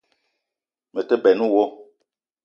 Me te benn wo